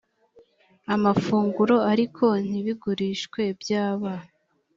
amafunguro ariko ntibigurishwe byaba